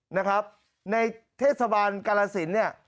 นะครับในเทศบาลกาลสินเนี่ย